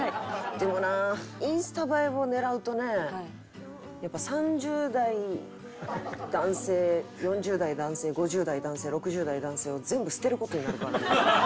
でもなインスタ映えを狙うとねやっぱ３０代男性４０代男性５０代男性６０代男性を全部捨てる事になるからな。